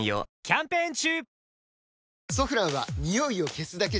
キャンペーン中！